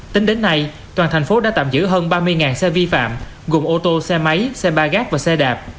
tính đến nay toàn thành phố đã tạm giữ hơn ba mươi xe vi phạm gồm ô tô xe máy xe ba gác và xe đạp